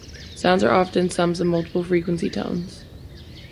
Sounds are often sums of multiple frequency tones.